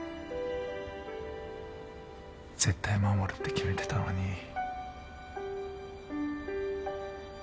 絶対守るって決めてたのに。